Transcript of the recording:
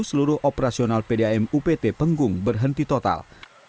seluruh operasional pdam upt penggung berhenti total